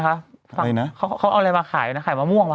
อะไรนะเขาเอาอะไรมาขายนะขายมะม่วงว่